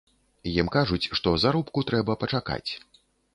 Ім кажуць, што заробку трэба пачакаць.